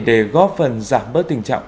để góp phần giảm bớt tình trạng